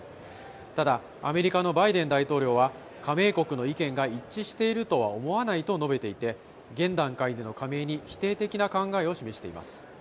ただアメリカのバイデン大統領は加盟国の意見が一致しているとは思わないと述べていて現段階での加盟に否定的な考えを示しています。